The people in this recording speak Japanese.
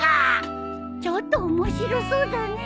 ちょっと面白そうだね。